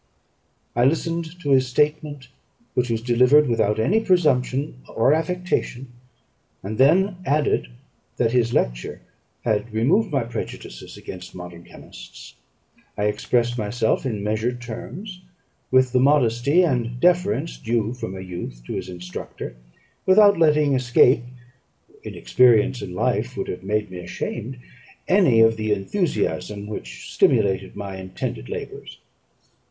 I listened to his statement, which was delivered without any presumption or affectation; and then added, that his lecture had removed my prejudices against modern chemists; I expressed myself in measured terms, with the modesty and deference due from a youth to his instructor, without letting escape (inexperience in life would have made me ashamed) any of the enthusiasm which stimulated my intended labours.